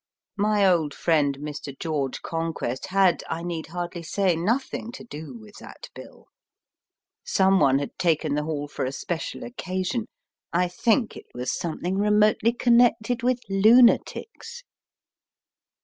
My old friend Mr. George Conquest had, I need hardly say, nothing to do with that bill. Some one had taken the hall for a special occasion. I think it was something remotely connected with lunatics.